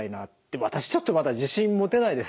私ちょっとまだ自信持てないです。